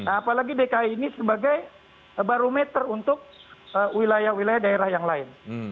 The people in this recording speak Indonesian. apalagi dki ini sebagai barometer untuk wilayah wilayah daerah yang lain